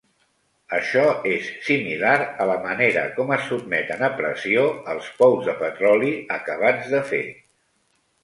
Això és similar a la manera com es sotmeten a pressió als pous de petroli acabats de fer.